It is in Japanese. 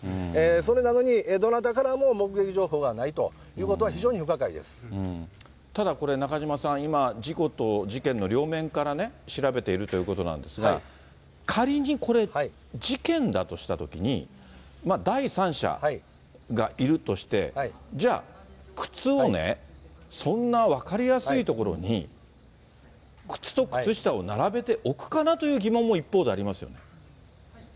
それなのに、どなたからも目撃情報がないということは、非常に不ただこれ、中島さん、今、事故と事件の両面からね、調べているということなんですが、仮にこれ、事件だとしたときに、第三者がいるとして、じゃあ、靴をね、そんな分かりやすい所に靴と靴下を並べて置くかなという疑問も一方でありますよね。